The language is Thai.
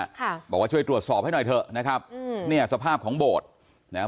ค่ะบอกว่าช่วยตรวจสอบให้หน่อยเถอะนะครับอืมเนี่ยสภาพของโบสถ์นะฮะ